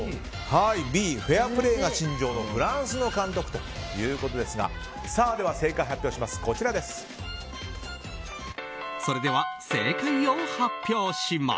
Ｂ、フェアプレーが信条のフランスの監督ということですがでは正解を発表します。